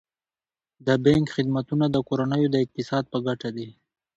د بانک خدمتونه د کورنیو د اقتصاد په ګټه دي.